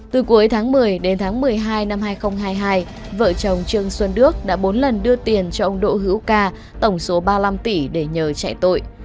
từ cuối tháng một mươi đến tháng một mươi hai năm hai nghìn hai mươi hai vợ chồng trương xuân đức đã bốn lần đưa tiền cho ông đỗ hữu ca tổng số ba mươi năm tỷ để nhờ chạy tội